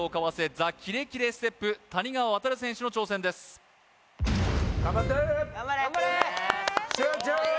ＴＨＥキレキレステップ谷川航選手の挑戦です・頑張って・頑張れ！